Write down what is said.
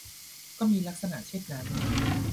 ก็มีลักษณะเช่นนั้น